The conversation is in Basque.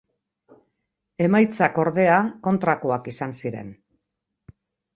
Emaitzak, ordea, kontrakoak izan ziren.